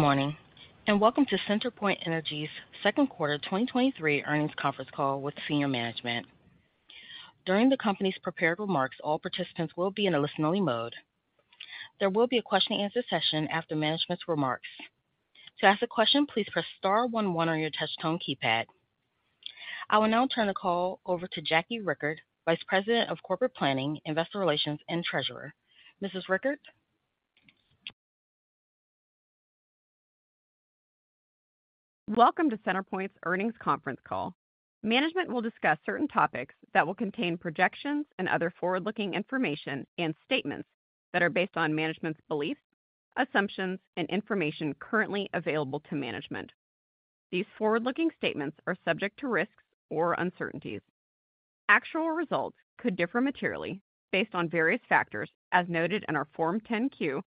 Good morning. Welcome to CenterPoint Energy's second quarter 2023 earnings conference call with senior management. During the company's prepared remarks, all participants will be in a listen-only mode. There will be a question-and-answer session after management's remarks. To ask a question, please press star one one on your touchtone keypad. I will now turn the call over to Jackie Richert, Vice President of Corporate Planning, Investor Relations, and Treasurer. Mrs. Richert? Welcome to CenterPoint's earnings conference call. Management will discuss certain topics that will contain projections and other forward-looking information and statements that are based on management's beliefs, assumptions, and information currently available to management. These forward-looking statements are subject to risks or uncertainties. Actual results could differ materially based on various factors as noted in our Form 10-Q,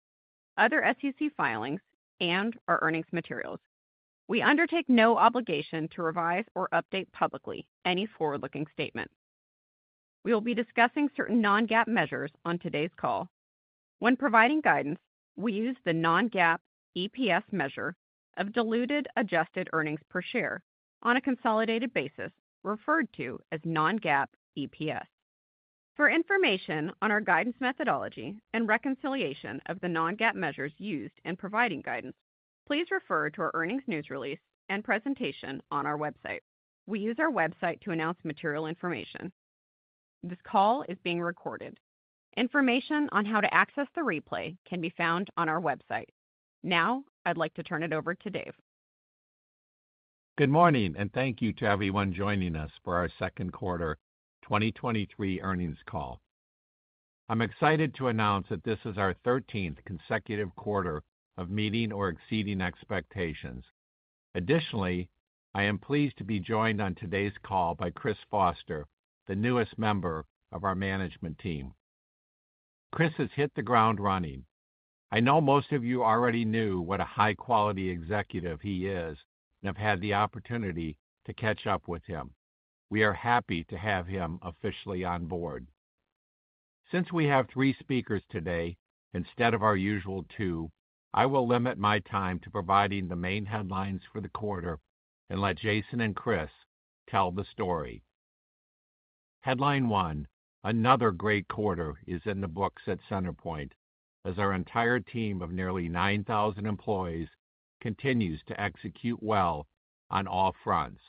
other SEC filings, and our earnings materials. We undertake no obligation to revise or update publicly any forward-looking statement. We will be discussing certain non-GAAP measures on today's call. When providing guidance, we use the non-GAAP EPS measure of diluted adjusted earnings per share on a consolidated basis, referred to as non-GAAP EPS. For information on our guidance methodology and reconciliation of the non-GAAP measures used in providing guidance, please refer to our earnings news release and presentation on our website. We use our website to announce material information. This call is being recorded. Information on how to access the replay can be found on our website. Now, I'd like to turn it over to Dave. Good morning. Thank you to everyone joining us for our second quarter 2023 earnings call. I'm excited to announce that this is our 13th consecutive quarter of meeting or exceeding expectations. I am pleased to be joined on today's call by Chris Foster, the newest member of our management team. Chris has hit the ground running. I know most of you already knew what a high-quality executive he is and have had the opportunity to catch up with him. We are happy to have him officially on board. We have three speakers today, instead of our usual two, I will limit my time to providing the main headlines for the quarter and let Jason and Chris tell the story. Headline one: Another great quarter is in the books at CenterPoint, as our entire team of nearly 9,000 employees continues to execute well on all fronts.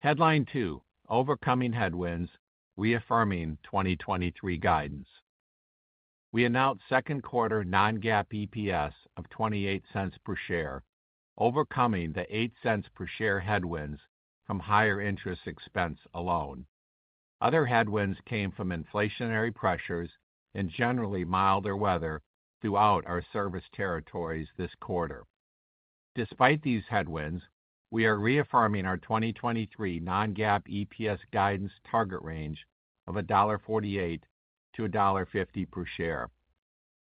Headline two: Overcoming headwinds, reaffirming 2023 guidance. We announced second quarter non-GAAP EPS of $0.28 per share, overcoming the $0.08 per share headwinds from higher interest expense alone. Other headwinds came from inflationary pressures and generally milder weather throughout our service territories this quarter. Despite these headwinds, we are reaffirming our 2023 non-GAAP EPS guidance target range of $1.48-$1.50 per share.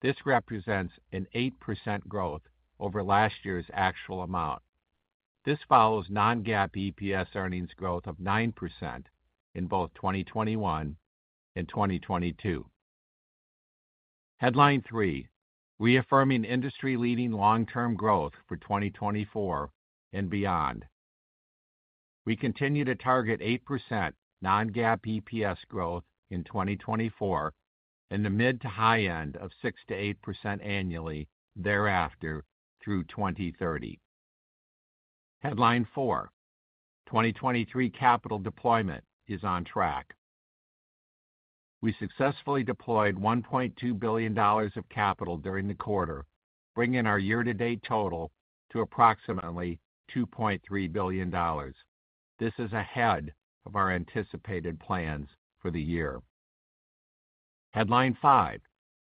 This represents an 8% growth over last year's actual amount. This follows non-GAAP EPS earnings growth of 9% in both 2021 and 2022. Headline three: Reaffirming industry-leading long-term growth for 2024 and beyond. We continue to target 8% non-GAAP EPS growth in 2024 and the mid to high end of 6%-8% annually thereafter through 2030. Headline four: 2023 capital deployment is on track. We successfully deployed $1.2 billion of capital during the quarter, bringing our year-to-date total to approximately $2.3 billion. This is ahead of our anticipated plans for the year. Headline five: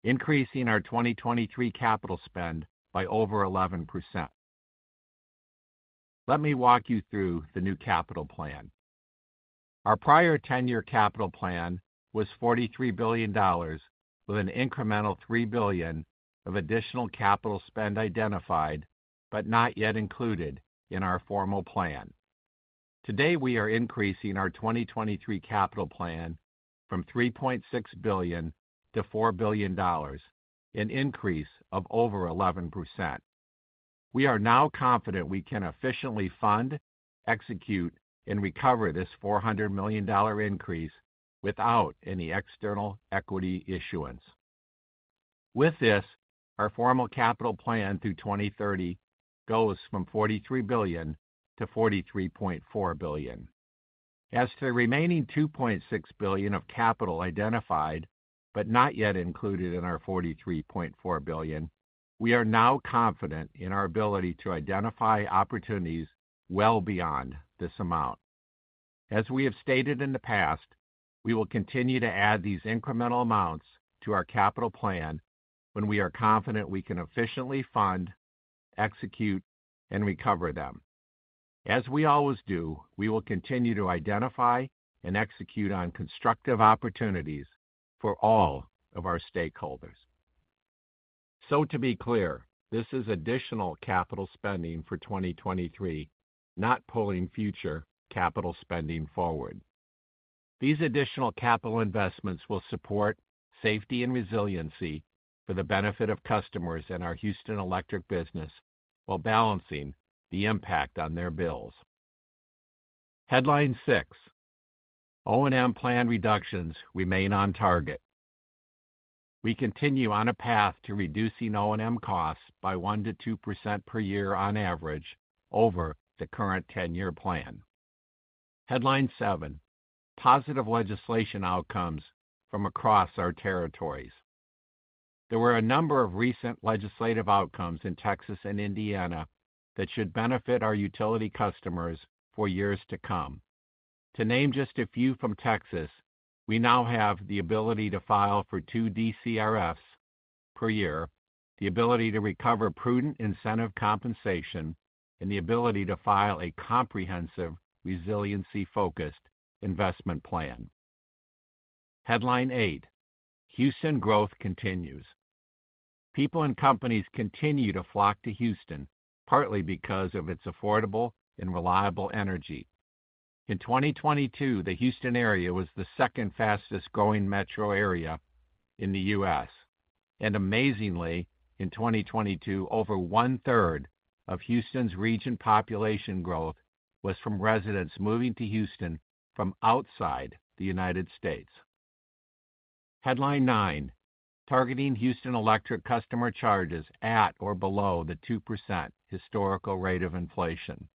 Increasing our 2023 capital spend by over 11%. Let me walk you through the new capital plan. Our prior 10-year capital plan was $43 billion, with an incremental $3 billion of additional capital spend identified but not yet included in our formal plan. Today, we are increasing our 2023 capital plan from $3.6 billion to $4 billion, an increase of over 11%. We are now confident we can efficiently fund, execute, and recover this $400 million increase without any external equity issuance. With this, our formal capital plan through 2030 goes from $43 billion to $43.4 billion. As to the remaining $2.6 billion of capital identified but not yet included in our $43.4 billion, we are now confident in our ability to identify opportunities well beyond this amount. As we have stated in the past, we will continue to add these incremental amounts to our capital plan when we are confident we can efficiently fund, execute, and recover them. As we always do, we will continue to identify and execute on constructive opportunities for all of our stakeholders. To be clear, this is additional capital spending for 2023, not pulling future capital spending forward. These additional capital investments will support safety and resiliency for the benefit of customers in our Houston Electric business, while balancing the impact on their bills. Headline six: O&M plan reductions remain on target. We continue on a path to reducing O&M costs by 1%-2% per year on average over the current 10-year plan. Headline seven: Positive legislation outcomes from across our territories. There were a number of recent legislative outcomes in Texas and Indiana that should benefit our utility customers for years to come. To name just a few from Texas, we now have the ability to file for two DCRFs per year, the ability to recover prudent incentive compensation, and the ability to file a comprehensive, resiliency-focused investment plan. Headline eight: Houston growth continues. People and companies continue to flock to Houston, partly because of its affordable and reliable energy. In 2022, the Houston area was the second fastest growing metro area in the U.S., and amazingly, in 2022, over 1/3 of Houston's region population growth was from residents moving to Houston from outside the United States. Headline nine: Targeting Houston Electric customer charges at or below the 2% historical rate of inflation.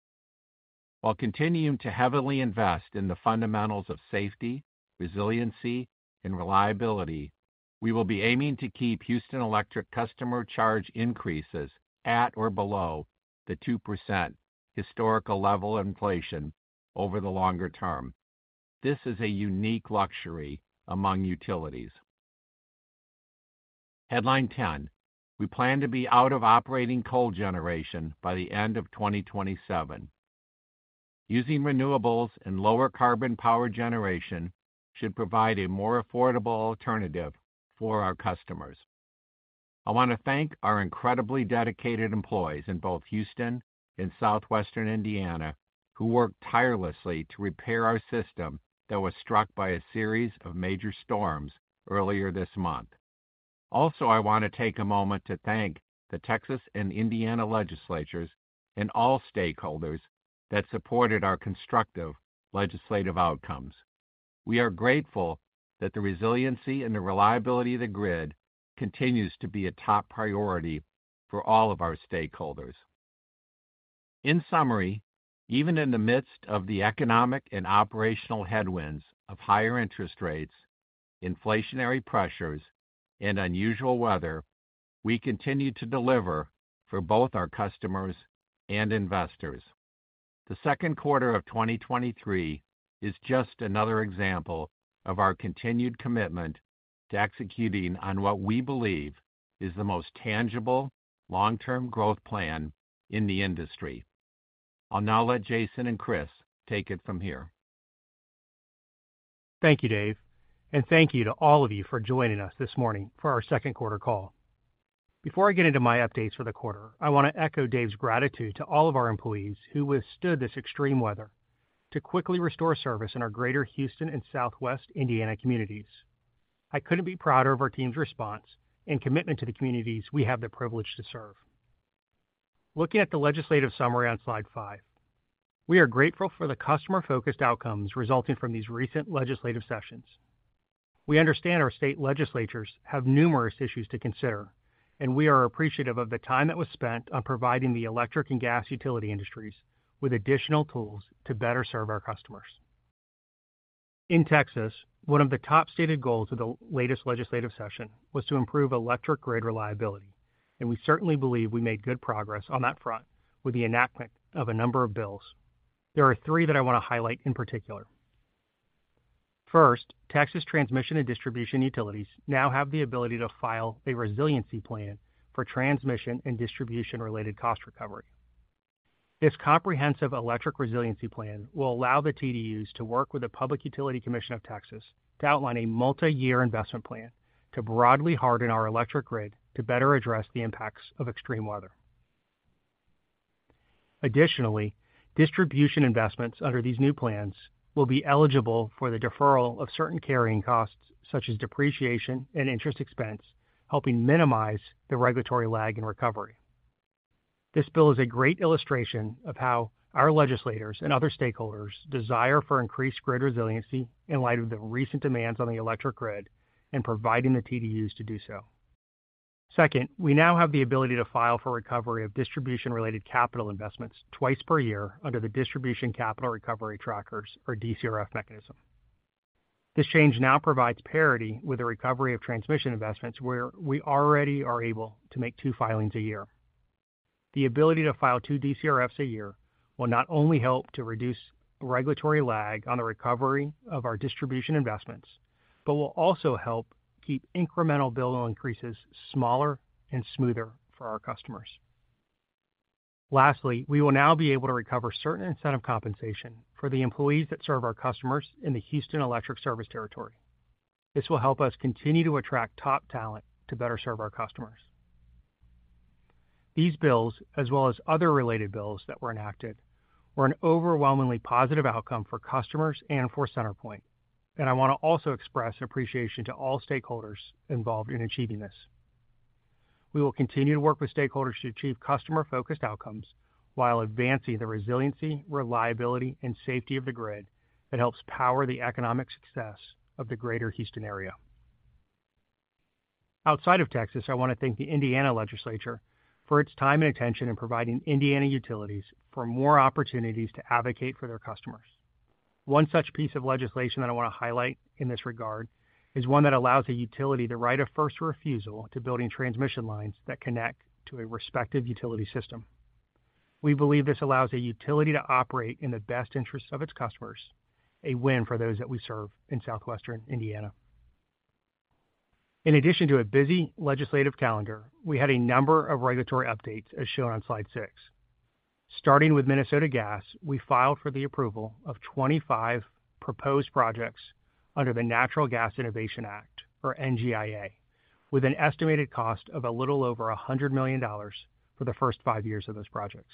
While continuing to heavily invest in the fundamentals of safety, resiliency, and reliability, we will be aiming to keep Houston Electric customer charge increases at or below the 2% historical level inflation over the longer term. This is a unique luxury among utilities. Headline 10: We plan to be out of operating coal generation by the end of 2027. Using renewables and lower carbon power generation should provide a more affordable alternative for our customers. I want to take a moment to thank the Texas and Indiana legislatures and all stakeholders that supported our constructive legislative outcomes. I want to thank our incredibly dedicated employees in both Houston and Southwestern Indiana, who worked tirelessly to repair our system that was struck by a series of major storms earlier this month. We are grateful that the resiliency and the reliability of the grid continues to be a top priority for all of our stakeholders. In summary, even in the midst of the economic and operational headwinds of higher interest rates, inflationary pressures, and unusual weather, we continue to deliver for both our customers and investors. The second quarter of 2023 is just another example of our continued commitment to executing on what we believe is the most tangible long-term growth plan in the industry. I'll now let Jason and Chris take it from here. Thank you, Dave, and thank you to all of you for joining us this morning for our second quarter call. Before I get into my updates for the quarter, I want to echo Dave's gratitude to all of our employees who withstood this extreme weather to quickly restore service in our greater Houston and Southwest Indiana communities. I couldn't be prouder of our team's response and commitment to the communities we have the privilege to serve. Looking at the legislative summary on slide five, we are grateful for the customer-focused outcomes resulting from these recent legislative sessions. We understand our state legislatures have numerous issues to consider, and we are appreciative of the time that was spent on providing the electric and gas utility industries with additional tools to better serve our customers. In Texas, one of the top stated goals of the latest legislative session was to improve electric grid reliability, and we certainly believe we made good progress on that front with the enactment of a number of bills. There are three that I want to highlight in particular. First, Texas transmission and distribution utilities now have the ability to file a resiliency plan for transmission and distribution-related cost recovery. This comprehensive electric resiliency plan will allow the TDUs to work with the Public Utility Commission of Texas to outline a multi-year investment plan to broadly harden our electric grid to better address the impacts of extreme weather. Additionally, distribution investments under these new plans will be eligible for the deferral of certain carrying costs, such as depreciation and interest expense, helping minimize the regulatory lag in recovery. This bill is a great illustration of how our legislators and other stakeholders desire for increased grid resiliency in light of the recent demands on the electric grid and providing the TDUs to do so. Second, we now have the ability to file for recovery of distribution-related capital investments twice per year under the Distribution Capital Recovery Trackers, or DCRF mechanism. This change now provides parity with the recovery of transmission investments, where we already are able to make two filings a year. The ability to file two DCRFs a year will not only help to reduce regulatory lag on the recovery of our distribution investments, but will also help keep incremental bill increases smaller and smoother for our customers. Lastly, we will now be able to recover certain incentive compensation for the employees that serve our customers in the Houston Electric service territory. This will help us continue to attract top talent to better serve our customers. These bills, as well as other related bills that were enacted, were an overwhelmingly positive outcome for customers and for CenterPoint, and I want to also express appreciation to all stakeholders involved in achieving this. We will continue to work with stakeholders to achieve customer-focused outcomes while advancing the resiliency, reliability, and safety of the grid that helps power the economic success of the greater Houston area. Outside of Texas, I want to thank the Indiana legislature for its time and attention in providing Indiana utilities for more opportunities to advocate for their customers. One such piece of legislation that I want to highlight in this regard is one that allows a utility to write a first refusal to building transmission lines that connect to a respective utility system. We believe this allows a utility to operate in the best interest of its customers, a win for those that we serve in Southwestern Indiana. In addition to a busy legislative calendar, we had a number of regulatory updates, as shown on slide six. Starting with Minnesota Gas, we filed for the approval of 25 proposed projects under the Natural Gas Innovation Act, or NGIA, with an estimated cost of a little over $100 million for the first five years of those projects.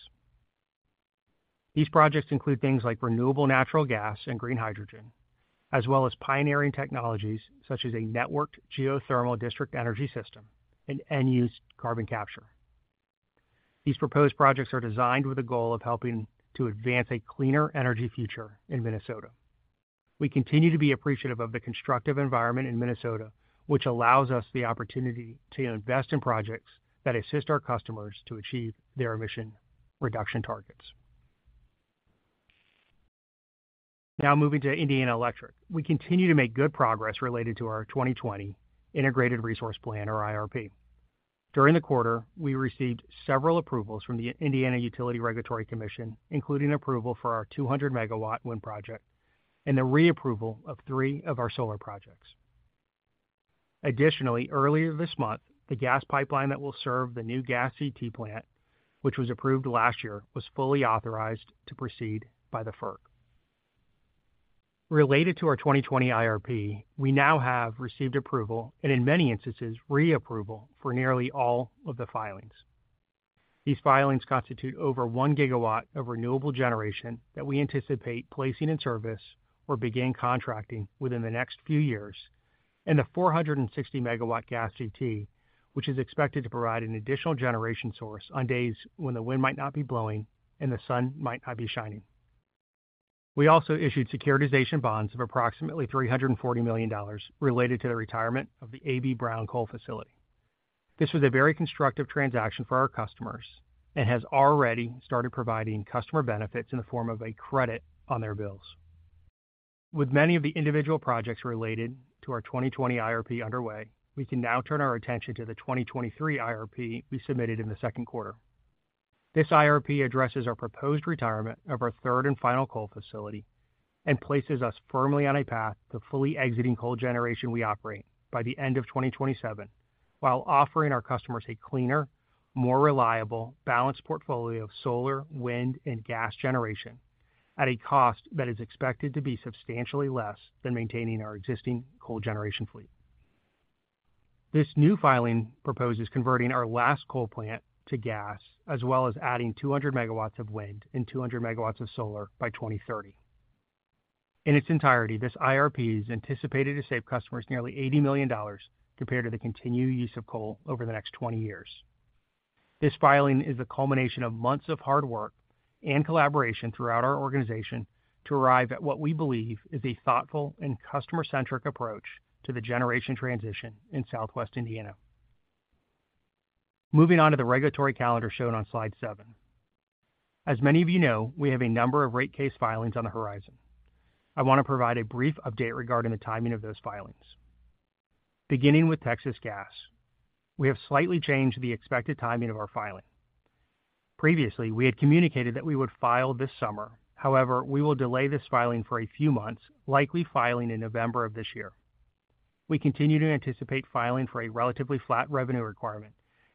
These projects include things like renewable natural gas and green hydrogen, as well as pioneering technologies such as a networked geothermal district energy system and end-use carbon capture. These proposed projects are designed with the goal of helping to advance a cleaner energy future in Minnesota. We continue to be appreciative of the constructive environment in Minnesota, which allows us the opportunity to invest in projects that assist our customers to achieve their emission reduction targets. Moving to Indiana Electric. We continue to make good progress related to our 2020 Integrated Resource Plan, or IRP. During the quarter, we received several approvals from the Indiana Utility Regulatory Commission, including approval for our 200 MW wind project and the reapproval of three of our solar projects. Earlier this month, the gas pipeline that will serve the new gas CT plant, which was approved last year, was fully authorized to proceed by the FERC. Related to our 2020 IRP, we now have received approval, and in many instances, reapproval, for nearly all of the filings. These filings constitute over 1 GW of renewable generation that we anticipate placing in service or begin contracting within the next few years, and a 460 MW gas CT, which is expected to provide an additional generation source on days when the wind might not be blowing and the sun might not be shining. We also issued securitization bonds of approximately $340 million related to the retirement of the A.B. Brown coal facility. This was a very constructive transaction for our customers and has already started providing customer benefits in the form of a credit on their bills. With many of the individual projects related to our 2020 IRP underway, we can now turn our attention to the 2023 IRP we submitted in the second quarter. This IRP addresses our proposed retirement of our third and final coal facility and places us firmly on a path to fully exiting coal generation we operate by the end of 2027, while offering our customers a cleaner, more reliable, balanced portfolio of solar, wind, and gas generation at a cost that is expected to be substantially less than maintaining our existing coal generation fleet. This new filing proposes converting our last coal plant to gas, as well as adding 200 MW of wind and 200 MW of solar by 2030. In its entirety, this IRP is anticipated to save customers nearly $80 million compared to the continued use of coal over the next 20 years. This filing is a culmination of months of hard work and collaboration throughout our organization to arrive at what we believe is a thoughtful and customer-centric approach to the generation transition in Southwest Indiana. Moving on to the regulatory calendar shown on slide seven. As many of you know, we have a number of rate case filings on the horizon. I want to provide a brief update regarding the timing of those filings. Beginning with Texas Gas, we have slightly changed the expected timing of our filing. Previously, we had communicated that we would file this summer. We will delay this filing for a few months, likely filing in November of this year. We continue to anticipate filing for a relatively flat revenue requirement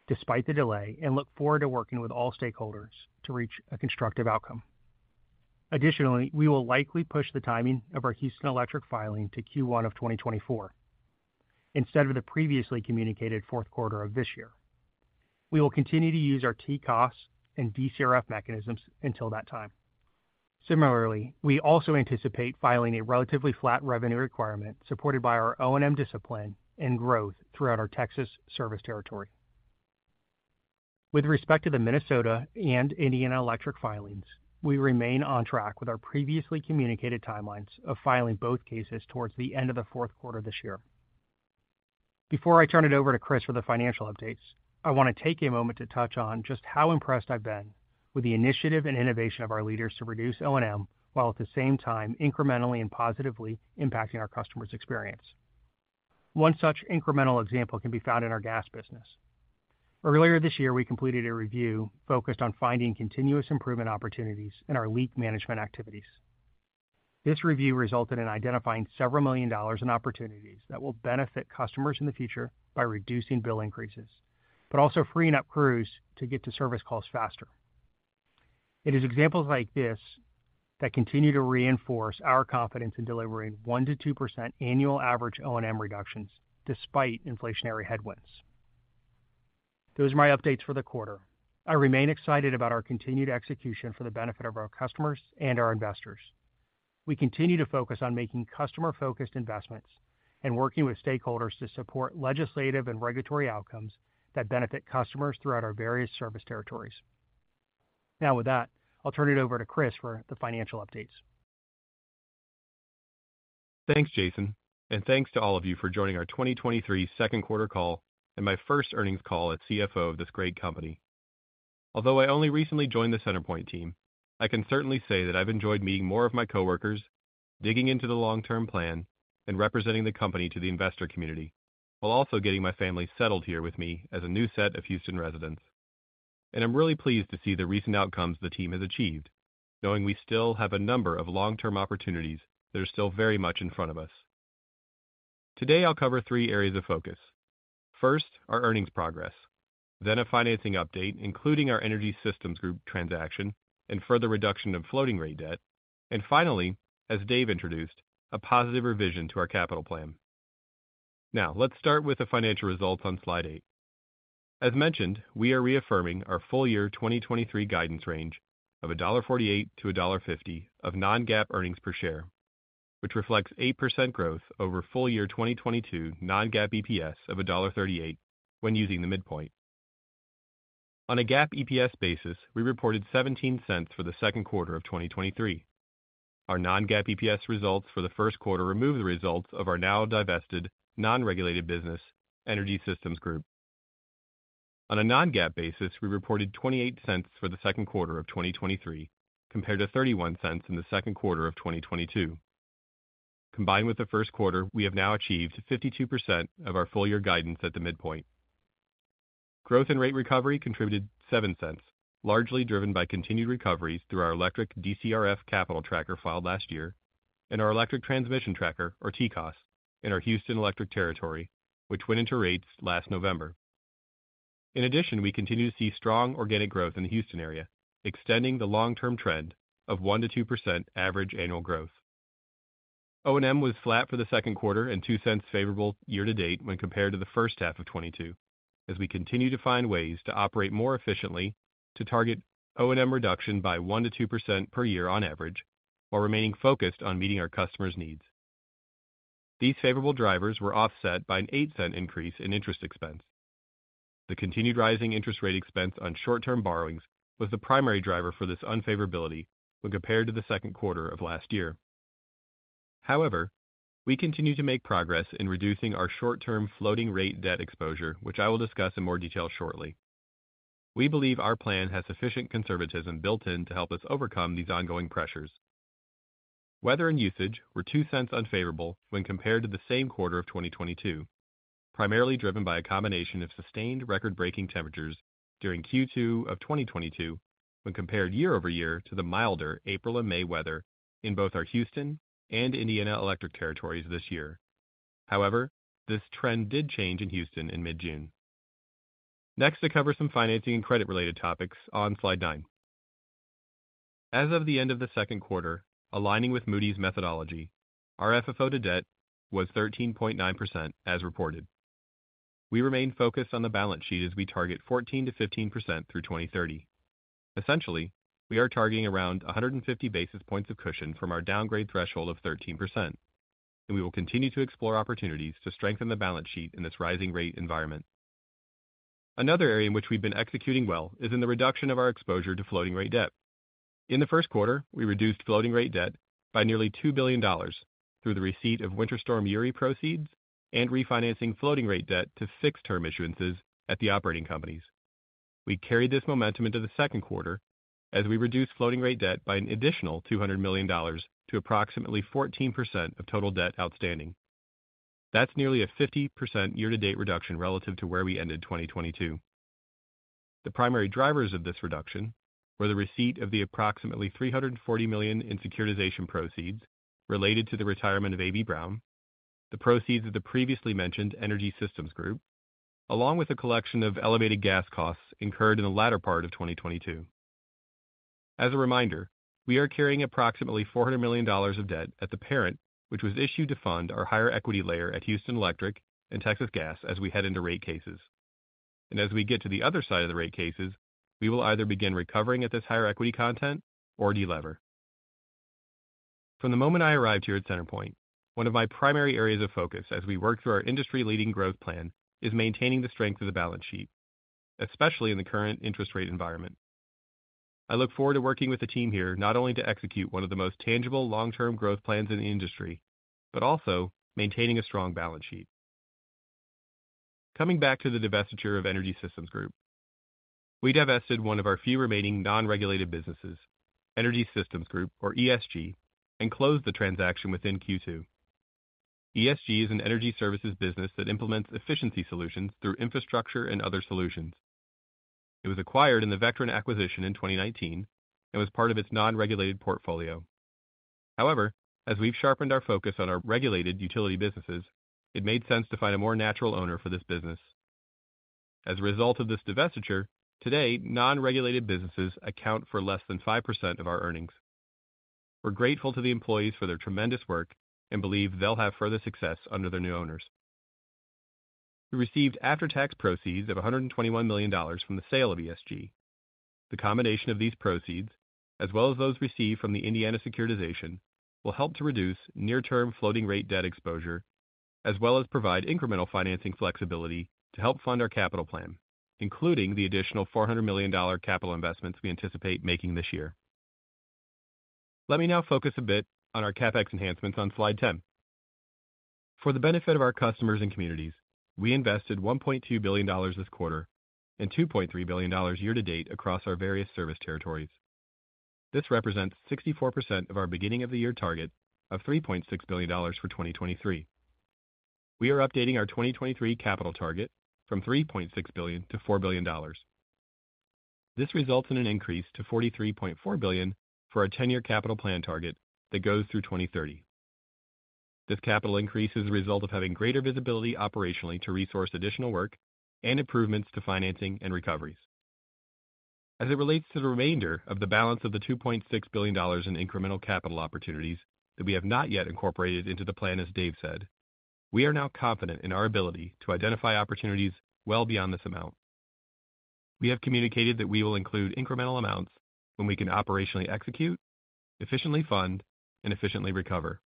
despite the delay, and look forward to working with all stakeholders to reach a constructive outcome. Additionally, we will likely push the timing of our Houston Electric filing to Q1 of 2024, instead of the previously communicated fourth quarter of this year. We will continue to use our TCOS and DCRF mechanisms until that time. Similarly, we also anticipate filing a relatively flat revenue requirement supported by our O&M discipline and growth throughout our Texas service territory. With respect to the Minnesota and Indiana Electric filings, we remain on track with our previously communicated timelines of filing both cases towards the end of the fourth quarter this year. Before I turn it over to Chris for the financial updates, I want to take a moment to touch on just how impressed I've been with the initiative and innovation of our leaders to reduce O&M, while at the same time, incrementally and positively impacting our customers' experience. One such incremental example can be found in our gas business. Earlier this year, we completed a review focused on finding continuous improvement opportunities in our leak management activities. This review resulted in identifying several million dollars in opportunities that will benefit customers in the future by reducing bill increases, but also freeing up crews to get to service calls faster. It is examples like this that continue to reinforce our confidence in delivering 1%-2% annual average O&M reductions despite inflationary headwinds. Those are my updates for the quarter. I remain excited about our continued execution for the benefit of our customers and our investors. We continue to focus on making customer-focused investments and working with stakeholders to support legislative and regulatory outcomes that benefit customers throughout our various service territories. Now, with that, I'll turn it over to Chris for the financial updates. Thanks, Jason. Thanks to all of you for joining our 2023 second quarter call and my first earnings call as CFO of this great company. Although I only recently joined the CenterPoint team, I can certainly say that I've enjoyed meeting more of my coworkers, digging into the long-term plan, and representing the company to the investor community, while also getting my family settled here with me as a new set of Houston residents. I'm really pleased to see the recent outcomes the team has achieved, knowing we still have a number of long-term opportunities that are still very much in front of us. Today, I'll cover three areas of focus. First, our earnings progress, then a financing update, including our Energy Systems Group transaction and further reduction of floating-rate debt. Finally, as Dave introduced, a positive revision to our capital plan. Let's start with the financial results on slide eight. As mentioned, we are reaffirming our full-year 2023 guidance range of $1.48-$1.50 of non-GAAP earnings per share, which reflects 8% growth over full-year 2022 non-GAAP EPS of $1.38 when using the midpoint. On a GAAP EPS basis, we reported $0.17 for the second quarter of 2023. Our non-GAAP EPS results for the first quarter removed the results of our now divested non-regulated business, Energy Systems Group. On a non-GAAP basis, we reported $0.28 for the second quarter of 2023, compared to $0.31 in the second quarter of 2022. Combined with the first quarter, we have now achieved 52% of our full-year guidance at the midpoint. Growth and rate recovery contributed $0.07, largely driven by continued recoveries through our electric DCRF capital tracker filed last year and our electric transmission tracker, or TCOS, in our Houston Electric territory, which went into rates last November. In addition, we continue to see strong organic growth in the Houston area, extending the long-term trend of 1%-2% average annual growth. O&M was flat for the second quarter and $0.02 favorable year to date when compared to the first half of 2022, as we continue to find ways to operate more efficiently to target O&M reduction by 1%-2% per year on average, while remaining focused on meeting our customers' needs. These favorable drivers were offset by an $0.08 increase in interest expense. The continued rising interest rate expense on short-term borrowings was the primary driver for this unfavorability when compared to the second quarter of last year. However, we continue to make progress in reducing our short-term floating rate debt exposure, which I will discuss in more detail shortly. We believe our plan has sufficient conservatism built in to help us overcome these ongoing pressures. Weather and usage were $0.02 unfavorable when compared to the same quarter of 2022, primarily driven by a combination of sustained record-breaking temperatures during Q2 of 2022 when compared year-over-year to the milder April and May weather in both our Houston and Indiana Electric territories this year. However, this trend did change in Houston in mid-June. Next, I cover some financing and credit-related topics on slide nine. As of the end of the second quarter, aligning with Moody's methodology, our FFO to debt was 13.9%, as reported. We remain focused on the balance sheet as we target 14%-15% through 2030. Essentially, we are targeting around 150 basis points of cushion from our downgrade threshold of 13%. We will continue to explore opportunities to strengthen the balance sheet in this rising rate environment. Another area in which we've been executing well is in the reduction of our exposure to floating-rate debt. In the first quarter, we reduced floating-rate debt by nearly $2 billion through the receipt of Winter Storm Uri proceeds and refinancing floating-rate debt to fixed-term issuances at the operating companies. We carried this momentum into the second quarter as we reduced floating-rate debt by an additional $200 million to approximately 14% of total debt outstanding. That's nearly a 50% year-to-date reduction relative to where we ended 2022. The primary drivers of this reduction were the receipt of the approximately $340 million in securitization proceeds related to the retirement of A.B. Brown, the proceeds of the previously mentioned Energy Systems Group, along with a collection of elevated gas costs incurred in the latter part of 2022. As a reminder, we are carrying approximately $400 million of debt at the parent, which was issued to fund our higher equity layer at Houston Electric and Texas Gas as we head into rate cases. As we get to the other side of the rate cases, we will either begin recovering at this higher equity content or de-lever. From the moment I arrived here at CenterPoint, one of my primary areas of focus as we work through our industry-leading growth plan is maintaining the strength of the balance sheet, especially in the current interest rate environment. I look forward to working with the team here not only to execute one of the most tangible long-term growth plans in the industry, but also maintaining a strong balance sheet. Coming back to the divestiture of Energy Systems Group, we divested one of our few remaining non-regulated businesses, Energy Systems Group, or ESG, and closed the transaction within Q2. ESG is an energy services business that implements efficiency solutions through infrastructure and other solutions. It was acquired in the Vectren acquisition in 2019 and was part of its non-regulated portfolio. As we've sharpened our focus on our regulated utility businesses, it made sense to find a more natural owner for this business. As a result of this divestiture, today, non-regulated businesses account for less than 5% of our earnings. We're grateful to the employees for their tremendous work and believe they'll have further success under their new owners. We received after-tax proceeds of $121 million from the sale of ESG. The combination of these proceeds, as well as those received from the Indiana securitization, will help to reduce near-term floating rate debt exposure, as well as provide incremental financing flexibility to help fund our capital plan, including the additional $400 million capital investments we anticipate making this year. Let me now focus a bit on our CapEx enhancements on slide 10. For the benefit of our customers and communities, we invested $1.2 billion this quarter and $2.3 billion year-to-date across our various service territories. This represents 64% of our beginning of the year target of $3.6 billion for 2023. We are updating our 2023 capital target from $3.6 billion to $4 billion. This results in an increase to $43.4 billion for our 10-year capital plan target that goes through 2030. This capital increase is a result of having greater visibility operationally to resource additional work and improvements to financing and recoveries. As it relates to the remainder of the balance of the $2.6 billion in incremental capital opportunities that we have not yet incorporated into the plan, as Dave said, we are now confident in our ability to identify opportunities well beyond this amount. We have communicated that we will include incremental amounts when we can operationally execute, efficiently fund, and efficiently recover.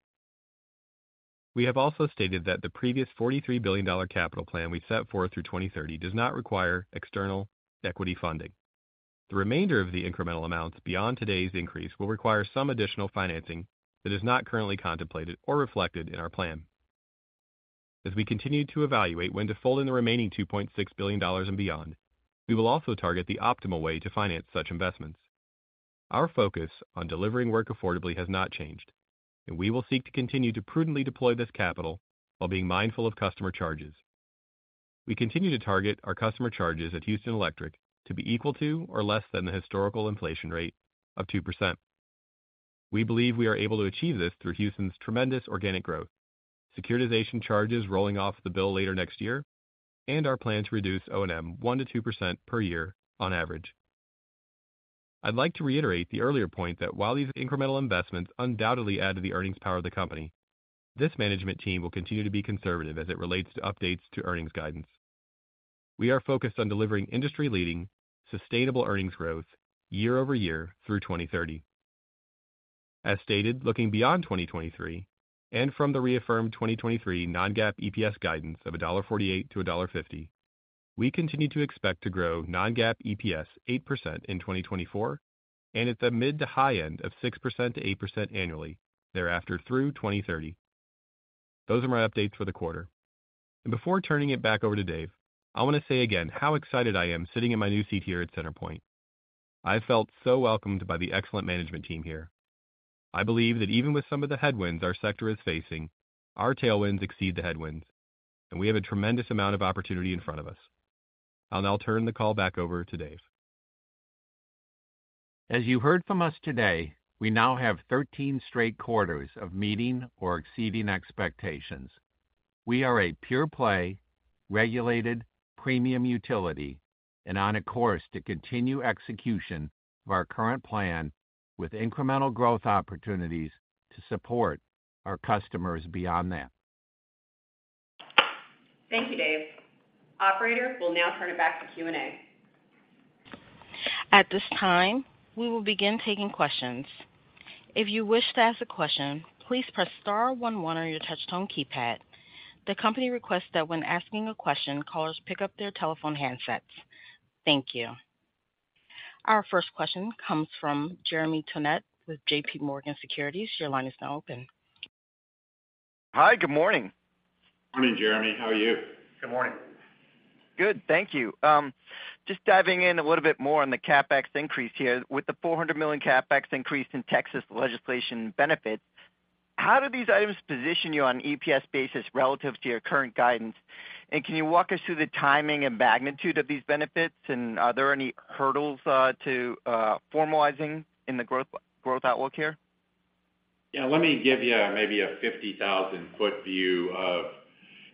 We have also stated that the previous $43 billion capital plan we set forth through 2030 does not require external equity funding. The remainder of the incremental amounts beyond today's increase will require some additional financing that is not currently contemplated or reflected in our plan. As we continue to evaluate when to fold in the remaining $2.6 billion and beyond, we will also target the optimal way to finance such investments. Our focus on delivering work affordably has not changed. We will seek to continue to prudently deploy this capital while being mindful of customer charges. We continue to target our customer charges at Houston Electric to be equal to or less than the historical inflation rate of 2%. We believe we are able to achieve this through Houston's tremendous organic growth, securitization charges rolling off the bill later next year, and our plan to reduce O&M 1%-2% per year on average. I'd like to reiterate the earlier point that while these incremental investments undoubtedly add to the earnings power of the company, this management team will continue to be conservative as it relates to updates to earnings guidance. We are focused on delivering industry-leading, sustainable earnings growth year-over-year through 2030. As stated, looking beyond 2023 and from the reaffirmed 2023 non-GAAP EPS guidance of $1.48 to $1.50, we continue to expect to grow non-GAAP EPS 8% in 2024, and at the mid to high end of 6%-8% annually thereafter through 2030. Those are my updates for the quarter. Before turning it back over to Dave, I want to say again how excited I am sitting in my new seat here at CenterPoint. I felt so welcomed by the excellent management team here. I believe that even with some of the headwinds our sector is facing, our tailwinds exceed the headwinds, and we have a tremendous amount of opportunity in front of us. I'll now turn the call back over to Dave. As you heard from us today, we now have 13 straight quarters of meeting or exceeding expectations. We are a pure-play, regulated, premium utility and on a course to continue execution of our current plan with incremental growth opportunities to support our customers beyond that. Thank you, Dave. Operator, we'll now turn it back to Q&A. At this time, we will begin taking questions. If you wish to ask a question, please press star one one on your touch tone keypad. The company requests that when asking a question, callers pick up their telephone handsets. Thank you. Our first question comes from Jeremy Tonet with JPMorgan Securities. Your line is now open. Hi, good morning. Morning, Jeremy. How are you? Good morning. Good. Thank you. Just diving in a little bit more on the CapEx increase here. With the $400 million CapEx increase in Texas legislation benefit, how do these items position you on an EPS basis relative to your current guidance? Can you walk us through the timing and magnitude of these benefits, and are there any hurdles to formalizing in the growth outlook here? Yeah, let me give you maybe a 50,000 ft view of,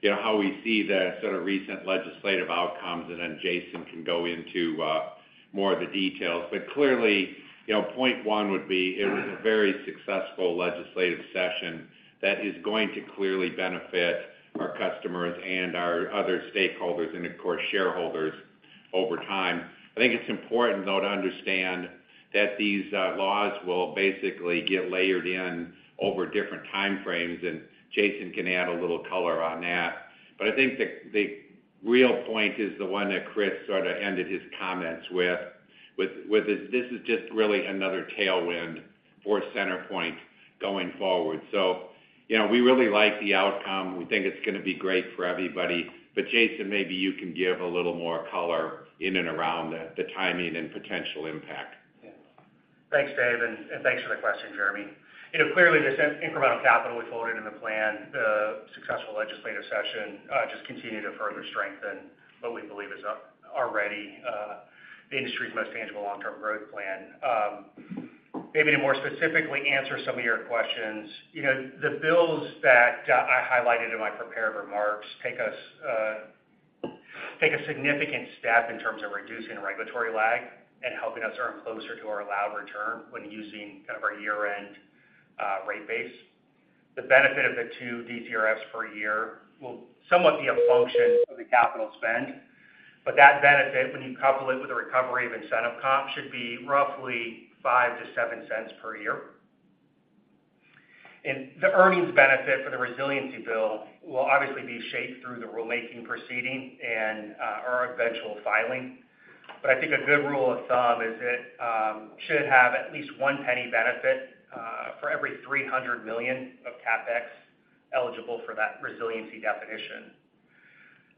you know, how we see the sort of recent legislative outcomes, and then Jason can go into more of the details. Clearly, you know, point one would be it was a very successful legislative session that is going to clearly benefit our customers and our other stakeholders and, of course, shareholders over time. I think it's important, though, to understand that these laws will basically get layered in over different time frames, and Jason can add a little color on that. I think the real point is the one that Chris sort of ended his comments with this is just really another tailwind for CenterPoint going forward. You know, we really like the outcome. We think it's going to be great for everybody. Jason, maybe you can give a little more color in and around the timing and potential impact. Thanks, Dave, and thanks for the question, Jeremy. You know, clearly, this incremental capital we folded in the plan, the successful legislative session, just continue to further strengthen what we believe is up already, the industry's most tangible long-term growth plan. Maybe to more specifically answer some of your questions, you know, the bills that I highlighted in my prepared remarks take us, take a significant step in terms of reducing regulatory lag and helping us earn closer to our allowed return when using kind of our year-end rate base. The benefit of the two DCRFs per year will somewhat be a function of the capital spend, but that benefit, when you couple it with a recovery of incentive comp, should be roughly $0.05-$0.07 per year. The earnings benefit for the resiliency bill will obviously be shaped through the rulemaking proceeding and our eventual filing. I think a good rule of thumb is it should have at least $0.01 benefit for every $300 million of CapEx eligible for that resiliency definition.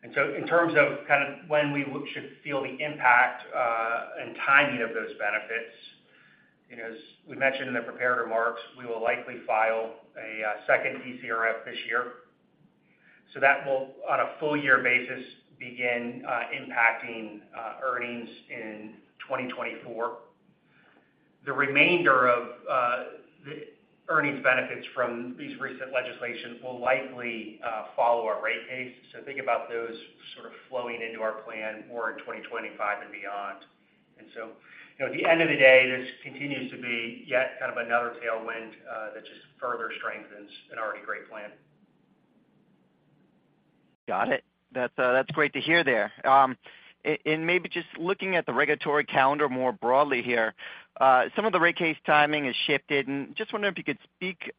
In terms of kind of when we should feel the impact, and timing of those benefits, you know, as we mentioned in the prepared remarks, we will likely file a second DCRF this year. That will, on a full-year basis, begin impacting earnings in 2024. The remainder of the earnings benefits from these recent legislations will likely follow our rate case. Think about those sort of flowing into our plan more in 2025 and beyond. You know, at the end of the day, this continues to be yet kind of another tailwind, that just further strengthens an already great plan. Got it. That's great to hear there. Maybe just looking at the regulatory calendar more broadly here, some of the rate case timing has shifted. Just wondering if you could speak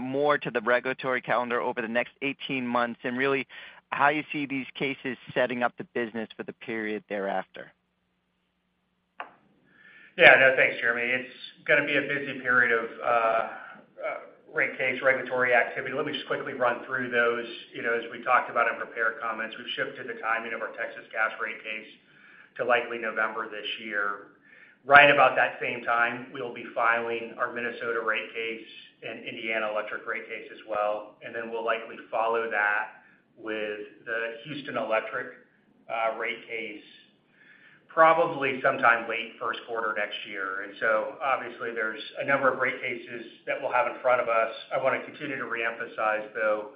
more to the regulatory calendar over the next 18 months and really how you see these cases setting up the business for the period thereafter? Yeah. No, thanks, Jeremy. It's gonna be a busy period of rate case regulatory activity. Let me just quickly run through those. You know, as we talked about in prepared comments, we've shifted the timing of our Texas Gas rate case to likely November this year. Right about that same time, we'll be filing our Minnesota rate case and Indiana Electric rate case as well, then we'll likely follow that with the Houston Electric rate case, probably sometime late first quarter next year. Obviously, there's a number of rate cases that we'll have in front of us. I want to continue to reemphasize, though,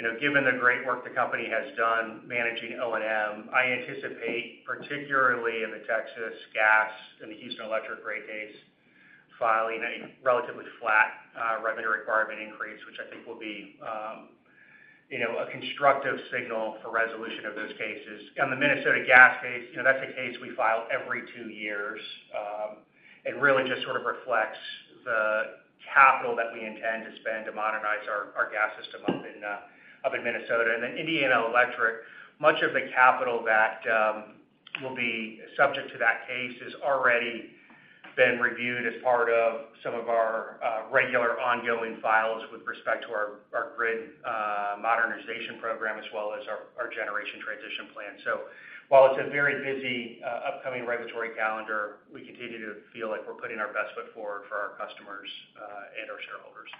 you know, given the great work the company has done managing O&M, I anticipate, particularly in the Texas Gas and the Houston Electric rate case, filing a relatively flat revenue requirement increase, which I think will be, you know, a constructive signal for resolution of those cases. On the Minnesota Gas case, you know, that's a case we file every two years, and really just sort of reflects the capital that we intend to spend to modernize our gas system up in Minnesota. Indiana Electric, much of the capital that will be subject to that case has already been reviewed as part of some of our regular ongoing files with respect to our grid modernization program, as well as our generation transition plan. While it's a very busy, upcoming regulatory calendar, we continue to feel like we're putting our best foot forward for our customers, and our shareholders.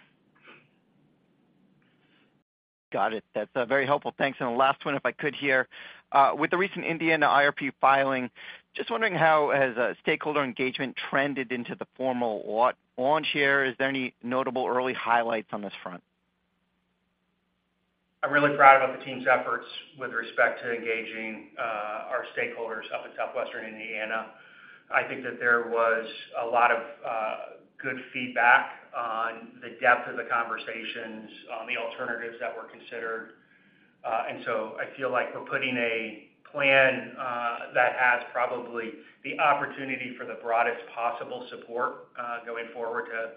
Got it. That's very helpful. Thanks. The last one, if I could here. With the recent Indiana IRP filing, just wondering, how has stakeholder engagement trended into the formal launch here? Is there any notable early highlights on this front? I'm really proud about the team's efforts with respect to engaging our stakeholders up in Southwestern Indiana. I think that there was a lot of good feedback on the depth of the conversations on the alternatives that were considered. I feel like we're putting a plan that has probably the opportunity for the broadest possible support going forward to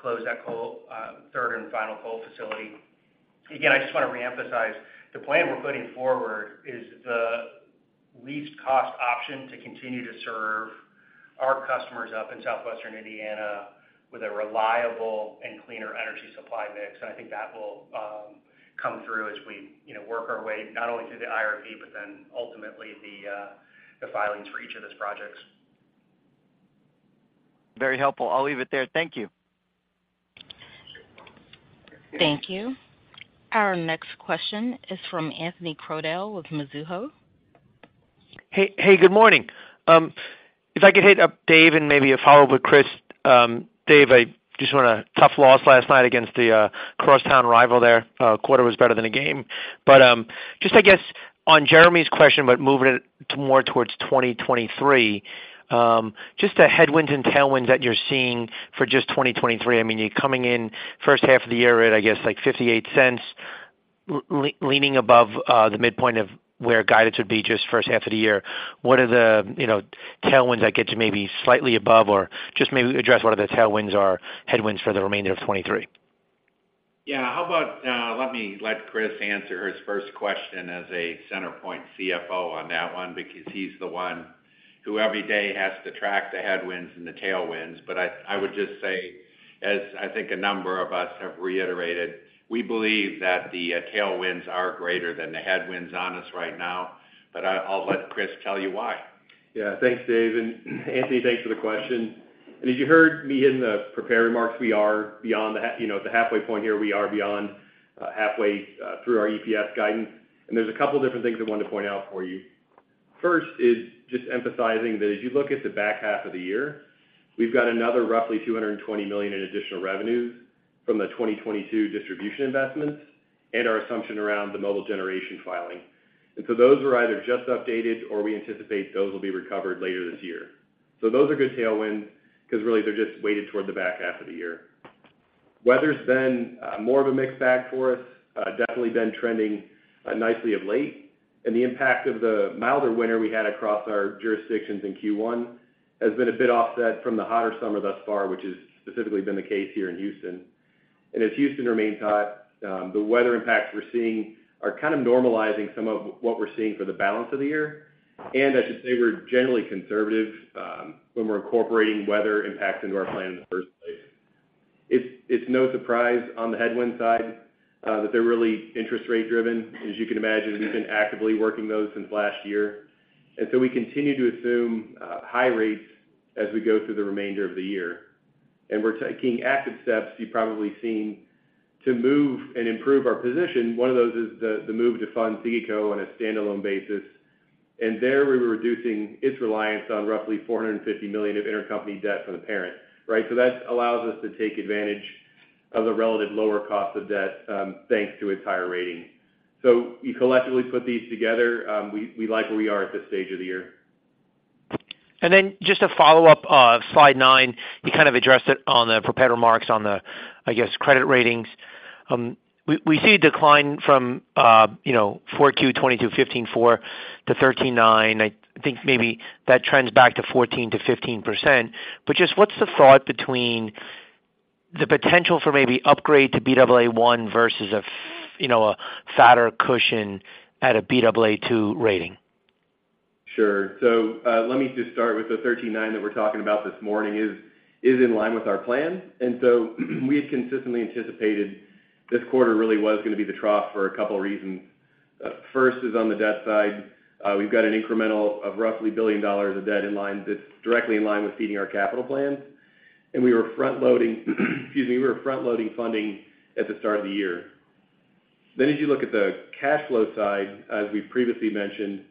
close that coal, third and final coal facility. I just want to reemphasize, the plan we're putting forward is the least cost option to continue to serve our customers up in Southwestern Indiana with a reliable and cleaner energy supply mix, and I think that will come through as we, you know, work our way, not only through the IRP, ultimately, the filings for each of those projects. Very helpful. I'll leave it there. Thank you. Thank you. Our next question is from Anthony Crowdell with Mizuho. Hey, hey, good morning! If I could hit up Dave and maybe a follow-up with Chris. Dave, I just want a tough loss last night against the crosstown rival there. Quarter was better than a game. Just I guess on Jeremy's question, but moving it to more towards 2023, just the headwinds and tailwinds that you're seeing for just 2023. You're coming in first half of the year at, I guess, like $0.58, leaning above the midpoint of where guidance would be just first half of the year. What are the, you know, tailwinds that get to maybe slightly above or just maybe address what are the tailwinds or headwinds for the remainder of 2023? Yeah. How about, let me let Chris answer his first question as a CenterPoint CFO on that one, because he's the one who every day has to track the headwinds and the tailwinds. I would just say, as I think a number of us have reiterated, we believe that the tailwinds are greater than the headwinds on us right now. I'll let Chris tell you why. Yeah. Thanks, Dave, Anthony, thanks for the question. As you heard me in the prepared remarks, we are beyond you know, the halfway point here, we are beyond halfway through our EPS guidance, and there's a couple of different things I wanted to point out for you. First is just emphasizing that as you look at the back half of the year, we've got another roughly $220 million in additional revenues from the 2022 distribution investments and our assumption around the mobile generation filing. Those were either just updated or we anticipate those will be recovered later this year. Those are good tailwinds, 'cause really, they're just weighted toward the back half of the year. Weather's been more of a mixed bag for us, definitely been trending nicely of late, the impact of the milder winter we had across our jurisdictions in Q1 has been a bit offset from the hotter summer thus far, which has specifically been the case here in Houston. As Houston remains hot, the weather impacts we're seeing are kind of normalizing some of what we're seeing for the balance of the year. I should say, we're generally conservative when we're incorporating weather impacts into our plan in the first place. It's no surprise on the headwind side that they're really interest rate driven. As you can imagine, we've been actively working those since last year, we continue to assume high rates as we go through the remainder of the year. We're taking active steps, you've probably seen, to move and improve our position. One of those is the move to fund CERC on a standalone basis. There we were reducing its reliance on roughly $450 million of intercompany debt from the parent, right. That allows us to take advantage of the relative lower cost of debt, thanks to its higher rating. You collectively put these together, we like where we are at this stage of the year. Just a follow-up, slide nine, you kind of addressed it on the prepared remarks on the, I guess, credit ratings. We see a decline from, you know, 4Q 2022, 15.4 to 13.9. I think maybe that trends back to 14%-15%. What's the thought between the potential for maybe upgrade to Baa1 versus, you know, a fatter cushion at a Baa2 rating? Sure. Let me just start with the 13.9 that we're talking about this morning, is in line with our plan. We had consistently anticipated this quarter really was gonna be the trough for two reasons. First is on the debt side, we've got an incremental of roughly $1 billion of debt that's directly in line with feeding our capital plans. We were front-loading funding at the start of the year. As you look at the cash flow side, as we previously mentioned,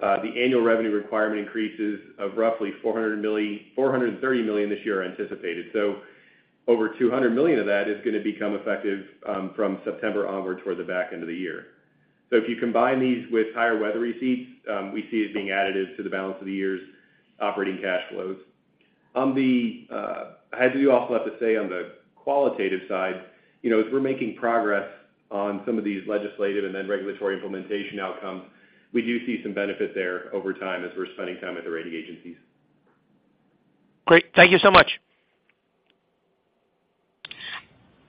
the annual revenue requirement increases of roughly $430 million this year are anticipated. Over $200 million of that is gonna become effective from September onward toward the back end of the year. If you combine these with higher weather receipts, we see it being additive to the balance of the year's operating cash flows. On the, I do also have to say on the qualitative side, you know, as we're making progress on some of these legislative and then regulatory implementation outcomes, we do see some benefit there over time as we're spending time at the rating agencies. Great. Thank you so much.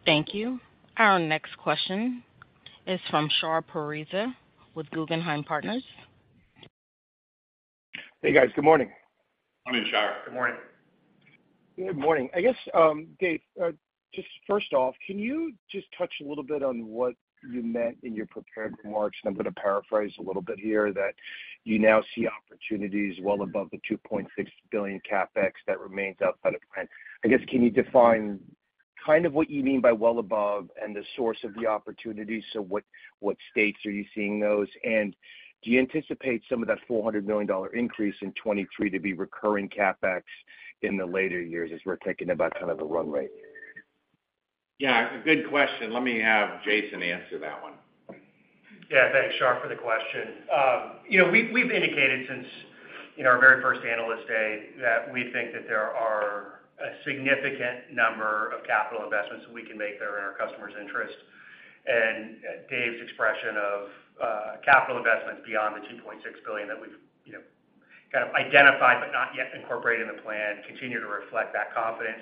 Thank you. Our next question is from Shar Pourreza with Guggenheim Partners. Hey, guys. Good morning. Morning, Shar. Good morning. Good morning. I guess, Dave, just first off, can you just touch a little bit on what you meant in your prepared remarks. I'm gonna paraphrase a little bit here, that you now see opportunities well above the $2.6 billion CapEx that remains outside of plan. I guess, can you define kind of what you mean by well above and the source of the opportunity? What states are you seeing those? Do you anticipate some of that $400 million increase in 2023 to be recurring CapEx in the later years, as we're thinking about kind of a run rate? Yeah, good question. Let me have Jason answer that one. Yeah, thanks, Shar, for the question. You know, we've, we've indicated since in our very first Analyst Day, that we think that there are a significant number of capital investments that we can make that are in our customers' interest. Dave's expression of capital investments beyond the $2.6 billion that we've, you know, kind of identified but not yet incorporated in the plan, continue to reflect that confidence.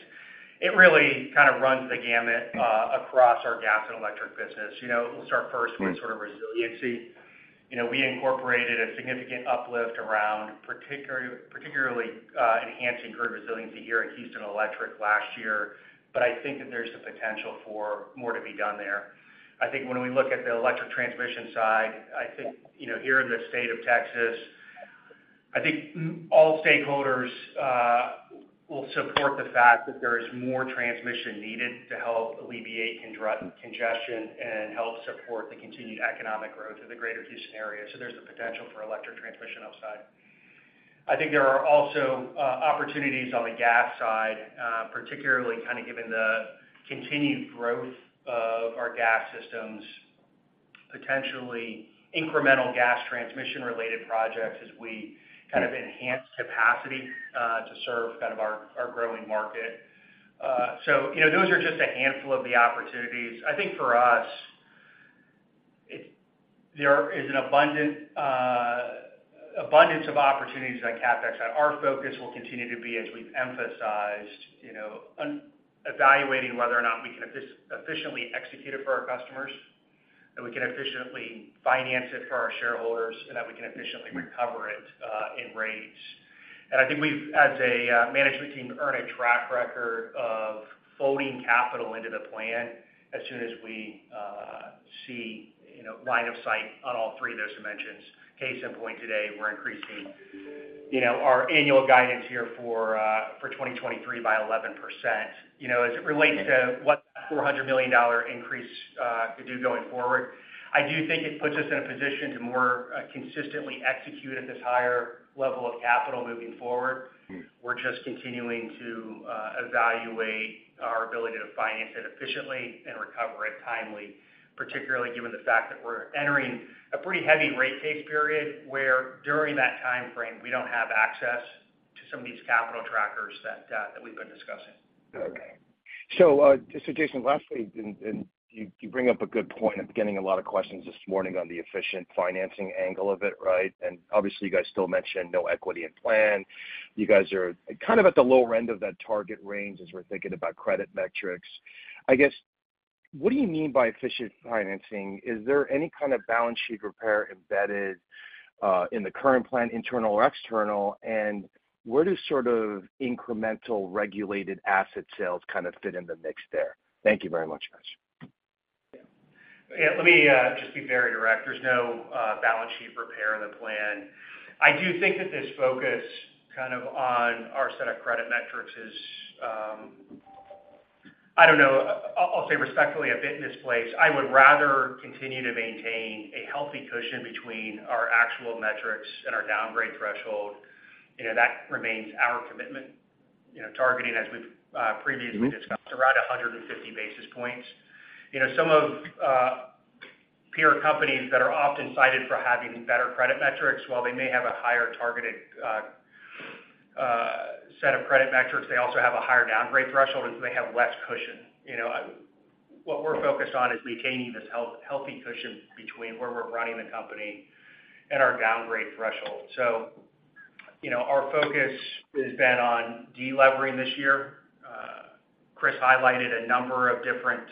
It really kind of runs the gamut, across our gas and electric business. You know, we'll start first with sort of resiliency. You know, we incorporated a significant uplift around particularly, enhancing grid resiliency here in Houston Electric last year. I think that there's the potential for more to be done there. I think when we look at the electric transmission side, I think, you know, here in the state of Texas, I think all stakeholders will support the fact that there is more transmission needed to help alleviate congestion and help support the continued economic growth of the greater Houston area. There's the potential for electric transmission outside. I think there are also opportunities on the gas side, particularly kind of given the continued growth of our gas systems, potentially incremental gas transmission-related projects as we kind of enhance capacity to serve kind of our, our growing market. You know, those are just a handful of the opportunities. I think for us, there is an abundant abundance of opportunities on CapEx, and our focus will continue to be, as we've emphasized, you know, evaluating whether or not we can efficiently execute it for our customers, that we can efficiently finance it for our shareholders, and that we can efficiently recover it in rates. And I think we've, as a management team, earned a track record of folding capital into the plan as soon as we see, you know, line of sight on all three of those dimensions. Case in point today, we're increasing, you know, our annual guidance here for 2023 by 11%. You know, as it relates to what $400 million increase could do going forward, I do think it puts us in a position to more consistently execute at this higher level of capital moving forward. We're just continuing to evaluate our ability to finance it efficiently and recover it timely, particularly given the fact that we're entering a pretty heavy rate case period, where during that time frame, we don't have access to some of these capital trackers that we've been discussing. Okay. Jason, lastly, and you bring up a good point. I'm getting a lot of questions this morning on the efficient financing angle of it, right? Obviously, you guys still mentioned no equity in plan. You guys are kind of at the lower end of that target range as we're thinking about credit metrics. I guess, what do you mean by efficient financing? Is there any kind of balance sheet repair embedded in the current plan, internal or external? Where do sort of incremental regulated asset sales kind of fit in the mix there? Thank you very much, guys. Yeah, let me just be very direct. There's no balance sheet repair in the plan. I do think that this focus kind of on our set of credit metrics is, I don't know, I'll say respectfully, a bit misplaced. I would rather continue to maintain a healthy cushion between our actual metrics and our downgrade threshold. You know, that remains our commitment. You know, targeting, as we've previously discussed, around 150 basis points. You know, some of peer companies that are often cited for having better credit metrics, while they may have a higher targeted set of credit metrics, they also have a higher downgrade threshold, and so they have less cushion. You know, what we're focused on is maintaining this healthy cushion between where we're running the company and our downgrade threshold. You know, our focus has been on delevering this year. Chris highlighted a number of different,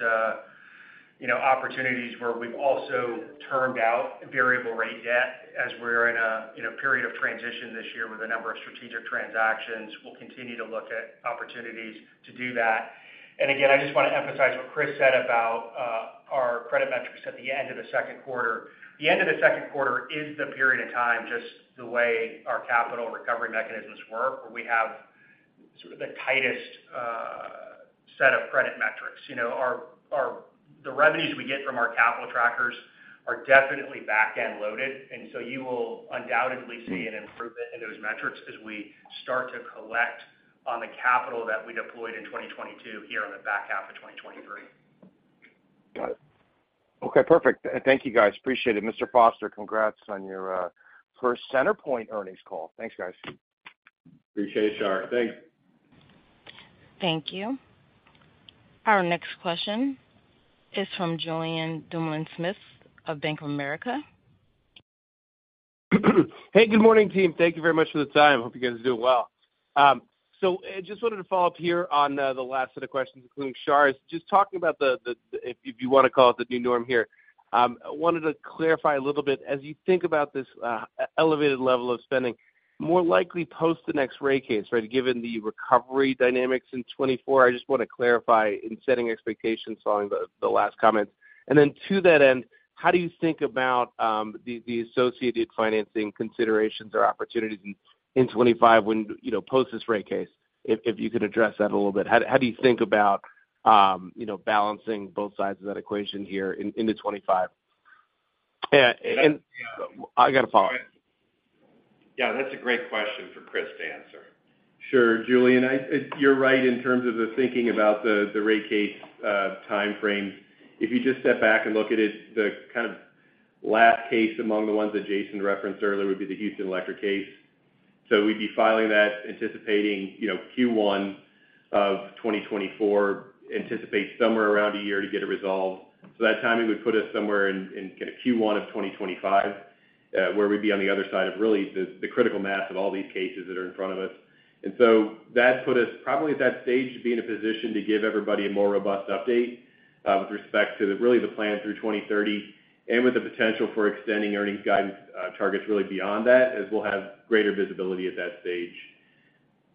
you know, opportunities where we've also termed out variable rate debt as we're in a, you know, period of transition this year with a number of strategic transactions. We'll continue to look at opportunities to do that. Again, I just want to emphasize what Chris said about our credit metrics at the end of the second quarter. The end of the second quarter is the period of time, just the way our capital recovery mechanisms work, where we have sort of the tightest set of credit metrics. You know, the revenues we get from our capital trackers are definitely back-end loaded, you will undoubtedly see an improvement in those metrics as we start to collect on the capital that we deployed in 2022, here in the back half of 2023. Got it. Okay, perfect. Thank you, guys. Appreciate it. Mr. Foster, congrats on your first CenterPoint earnings call. Thanks, guys. Appreciate it, Shar. Thanks. Thank you. Our next question is from Julien Dumoulin-Smith of Bank of America. Hey, good morning, team. Thank you very much for the time. Hope you guys are doing well. I just wanted to follow up here on the last of the questions, including Shar's. Just talking about the, the, if, if you want to call it the new norm here, I wanted to clarify a little bit, as you think about this elevated level of spending, more likely post the next rate case, right? Given the recovery dynamics in 2024, I just want to clarify in setting expectations, following the last comments. To that end, how do you think about the associated financing considerations or opportunities in 2025 when, you know, post this rate case? If, if you could address that a little bit. How do you think about, you know, balancing both sides of that equation here into 2025? I got a follow-up. Yeah, that's a great question for Chris to answer. Sure, Julien. You're right in terms of the thinking about the, the rate case, time frame. If you just step back and look at it, the kind of last case among the ones that Jason referenced earlier would be the Houston Electric case. We'd be filing that, anticipating, you know, Q1 of 2024, anticipate somewhere around a year to get it resolved. That timing would put us somewhere in, in Q1 of 2025, where we'd be on the other side of really the, the critical mass of all these cases that are in front of us. That put us probably at that stage to be in a position to give everybody a more robust update with respect to really the plan through 2030, and with the potential for extending earnings guidance targets really beyond that, as we'll have greater visibility at that stage.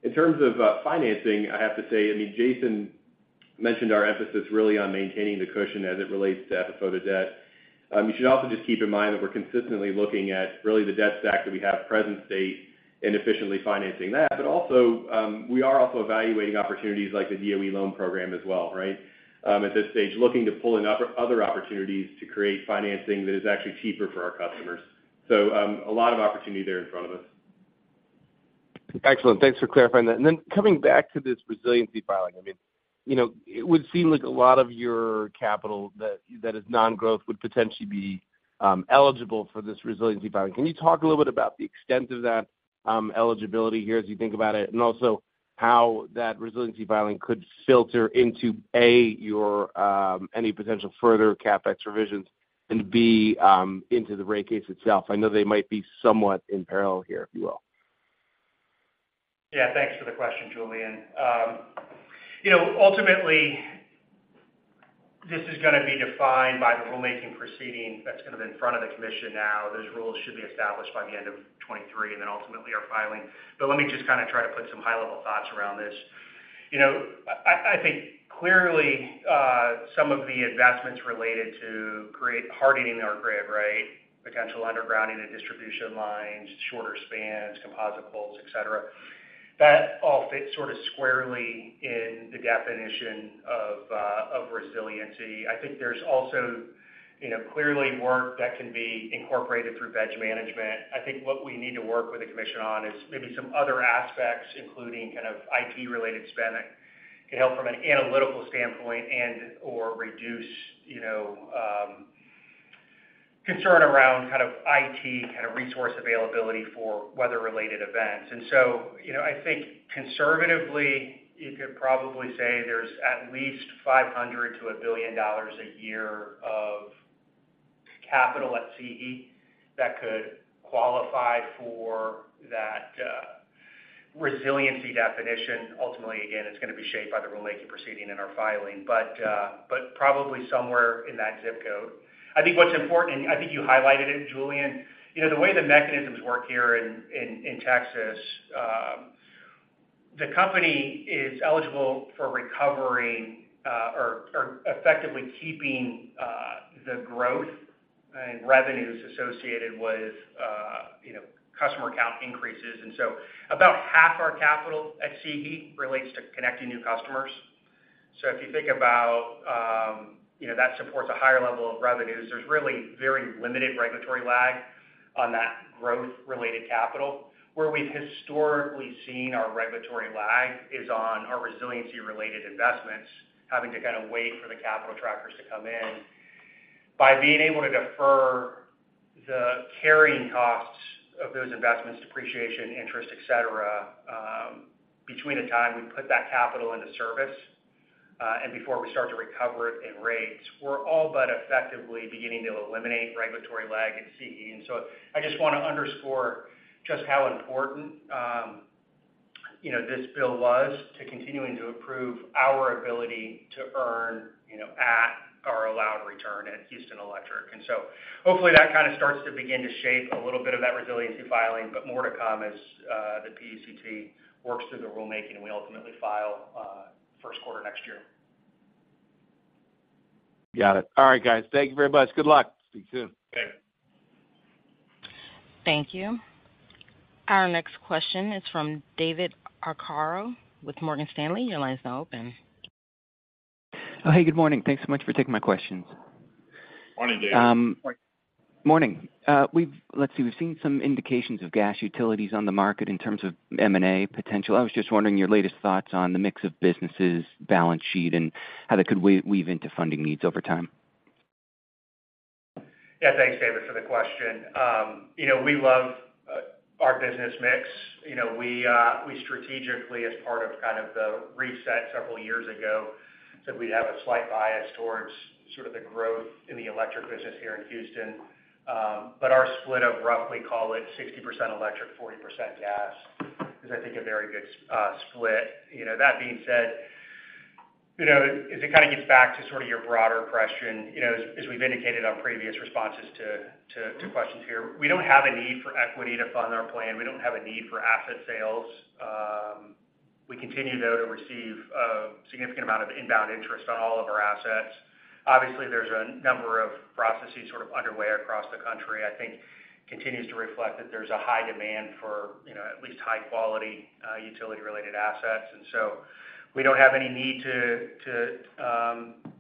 In terms of financing, I have to say, I mean, Jason mentioned our emphasis really on maintaining the cushion as it relates to FFO to debt. You should also just keep in mind that we're consistently looking at really the debt stack that we have present state and efficiently financing that. We are also evaluating opportunities like the DOE loan program as well, right? At this stage, looking to pull in other opportunities to create financing that is actually cheaper for our customers. A lot of opportunity there in front of us. Excellent. Thanks for clarifying that. Coming back to this resiliency filing, I mean, you know, it would seem like a lot of your capital that, that is non-growth would potentially be eligible for this resiliency filing. Can you talk a little bit about the extent of that eligibility here as you think about it, and also how that resiliency filing could filter into, A, your any potential further CapEx revisions and, B, into the rate case itself? I know they might be somewhat in parallel here, if you will. Yeah, thanks for the question, Julien. You know, ultimately, this is going to be defined by the rulemaking proceeding that's kind of in front of the commission now. Those rules should be established by the end of 2023, and then ultimately, our filing. Let me just kind of try to put some high-level thoughts around this. You know, I, I think clearly, some of the investments related to hardening our grid, right? Potential undergrounding of distribution lines, shorter spans, composite poles, et cetera. That all fits sort of squarely in the definition of resiliency. I think there's also, you know, clearly work that can be incorporated through veg management. I think what we need to work with the commission on is maybe some other aspects, including kind of IT-related spending, can help from an analytical standpoint and/or reduce, you know, concern around kind of IT resource availability for weather-related events. You know, I think conservatively, you could probably say there's at least $500 million-$1 billion a year of capital at CE that could qualify for that resiliency definition. Ultimately, again, it's going to be shaped by the rulemaking proceeding and our filing, but probably somewhere in that zip code. I think what's important, I think you highlighted it, Julien, you know, the way the mechanisms work here in Texas, the company is eligible for recovering, or effectively keeping, the growth and revenues associated with, you know, customer count increases. About half our capital at CE relates to connecting new customers. If you think about, you know, that supports a higher level of revenues, there's really very limited regulatory lag on that growth-related capital. Where we've historically seen our regulatory lag is on our resiliency-related investments, having to kind of wait for the capital trackers to come in. By being able to defer the carrying costs of those investments, depreciation, interest, et cetera, between the time we put that capital into service, and before we start to recover it in rates, we're all but effectively beginning to eliminate regulatory lag at CE. I just want to underscore just how important, you know, this bill was to continuing to improve our ability to earn, you know, at our allowed return at Houston Electric. Hopefully, that kind of starts to begin to shape a little bit of that resiliency filing, but more to come as the PUCT works through the rulemaking, and we ultimately file first quarter next year. Got it. All right, guys. Thank you very much. Good luck. Speak soon. Okay. Thank you. Our next question is from David Arcaro with Morgan Stanley. Your line is now open. Oh, hey, Good morning. Thanks so much for taking my questions. Morning, David. Morning. We've seen some indications of gas utilities on the market in terms of M&A potential. I was just wondering your latest thoughts on the mix of businesses, balance sheet, and how that could weave into funding needs over time? Yeah, thanks, David, for the question. You know, we love our business mix. You know, we strategically, as part of kind of the reset several years ago, said we'd have a slight bias towards sort of the growth in the electric business here in Houston. Our split of roughly, call it 60% electric, 40% gas, is I think, a very good split. You know, that being said, you know, as it kind of gets back to sort of your broader question, you know, as we've indicated on previous responses to questions here, we don't have a need for equity to fund our plan. We don't have a need for asset sales. We continue, though, to receive significant amount of inbound interest on all of our assets. Obviously, there's a number of processes sort of underway across the country, I think continues to reflect that there's a high demand for, you know, at least high-quality, utility-related assets. We don't have any need to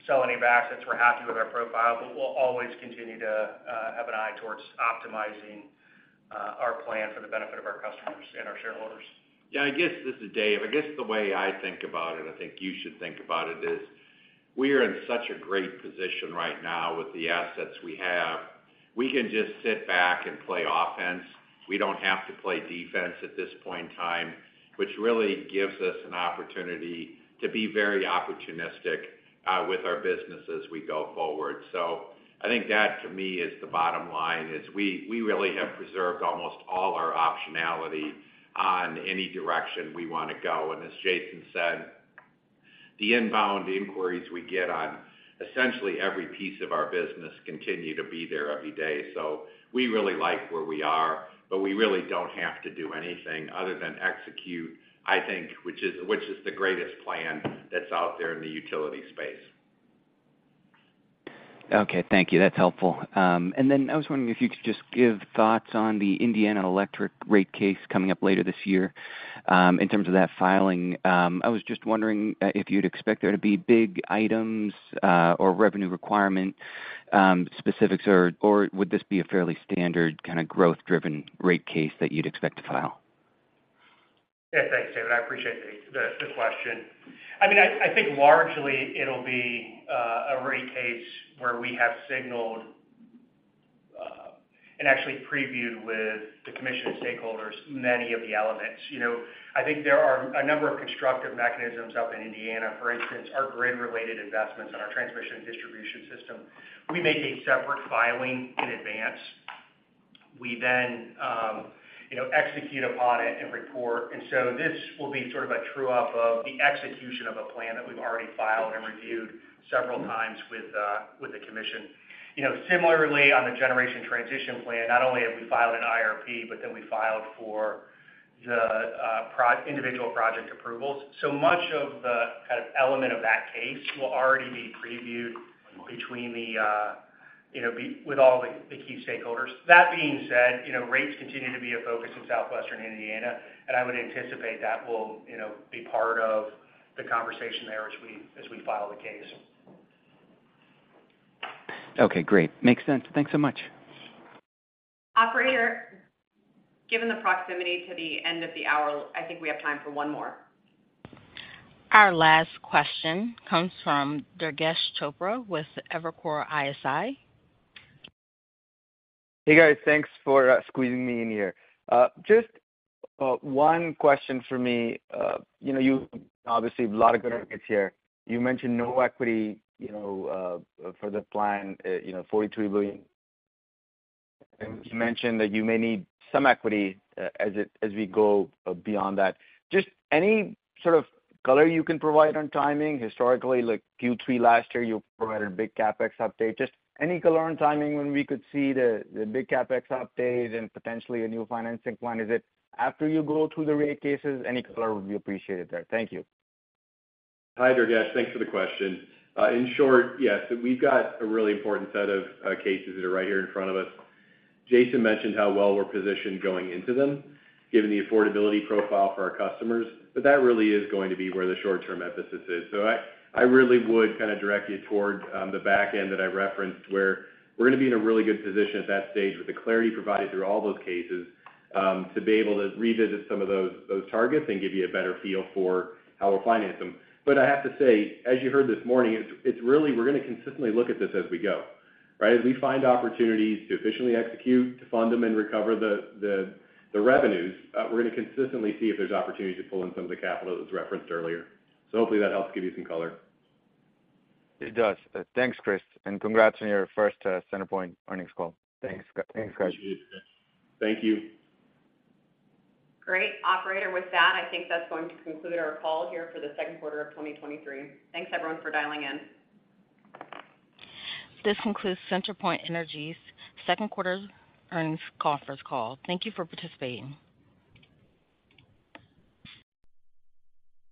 sell any of our assets. We're happy with our profile, but we'll always continue to have an eye towards optimizing our plan for the benefit of our customers and our shareholders. I guess, this is Dave. I guess the way I think about it, I think you should think about it, is we are in such a great position right now with the assets we have. We can just sit back and play offense. We don't have to play defense at this point in time, which really gives us an opportunity to be very opportunistic with our business as we go forward. I think that, to me, is the bottom line, is we really have preserved almost all our optionality on any direction we want to go. As Jason said, the inbound inquiries we get on essentially every piece of our business continue to be there every day. We really like where we are, but we really don't have to do anything other than execute, I think, which is the greatest plan that's out there in the utility space. Okay. Thank you. That's helpful. I was wondering if you could just give thoughts on the Indiana Electric rate case coming up later this year. In terms of that filing, I was just wondering if you'd expect there to be big items or revenue requirement specifics, or would this be a fairly standard kind of growth-driven rate case that you'd expect to file? Yeah, thanks, David. I appreciate the question. I mean, I think largely it'll be a rate case where we have signaled and actually previewed with the commission stakeholders, many of the elements. You know, I think there are a number of constructive mechanisms up in Indiana, for instance, our grid-related investments and our transmission and distribution system. We make a separate filing in advance. We, you know, execute upon it and report. This will be sort of a true-up of the execution of a plan that we've already filed and reviewed several times with the commission. You know, similarly, on the generation transition plan, not only have we filed an IRP, we filed for the individual project approvals. Much of the kind of element of that case will already be previewed between the, you know, with all the key stakeholders. That being said, you know, rates continue to be a focus in Southwestern Indiana, and I would anticipate that will, you know, be part of the conversation there as we, as we file the case. Okay, great. Makes sense. Thanks so much. Operator, given the proximity to the end of the hour, I think we have time for one more. Our last question comes from Durgesh Chopra with Evercore ISI. Hey, guys. Thanks for squeezing me in here. Just one question for me. You know, you obviously a lot of good targets here. You mentioned no equity, you know, for the plan, you know, $43 billion. You mentioned that you may need some equity as we go beyond that. Just any sort of color you can provide on timing? Historically, like Q3 last year, you provided a big CapEx update. Just any color on timing when we could see the big CapEx update and potentially a new financing plan? Is it after you go through the rate cases? Any color would be appreciated there. Thank you. Hi, Durgesh. Thanks for the question. In short, yes, we've got a really important set of cases that are right here in front of us. Jason mentioned how well we're positioned going into them, given the affordability profile for our customers, but that really is going to be where the short-term emphasis is. I really would kind of direct you towards the back end that I referenced, where we're going to be in a really good position at that stage with the clarity provided through all those cases, to be able to revisit some of those, those targets and give you a better feel for how we'll finance them. I have to say, as you heard this morning, it's really we're going to consistently look at this as we go, right? As we find opportunities to efficiently execute, to fund them and recover the revenues, we're going to consistently see if there's opportunities to pull in some of the capital that was referenced earlier. Hopefully that helps give you some color. It does. Thanks, Chris, and congrats on your first CenterPoint earnings call. Thanks. Thanks, guys. Appreciate it. Thank you. Great! Operator, with that, I think that's going to conclude our call here for the second quarter of 2023. Thanks, everyone, for dialing in. This concludes CenterPoint Energy's second quarter earnings conference call. Thank you for participating.